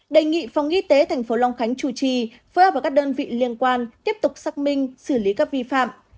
đề nghị phòng y tế tp hcm chủ trì phối hợp các đơn vị liên quan tiếp tục xác minh xử lý các vi phạm